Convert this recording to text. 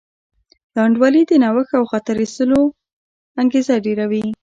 ناانډولي د نوښت او خطر اخیستلو انګېزه ډېروي.